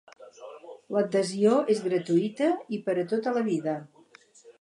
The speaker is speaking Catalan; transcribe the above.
L'adhesió és gratuïta i per a tota la vida.